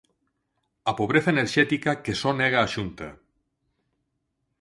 'A pobreza enerxética que só nega a Xunta'.